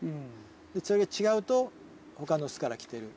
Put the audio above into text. それが違うと他の巣から来てる。